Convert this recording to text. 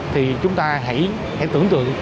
thì chúng ta hãy tưởng tượng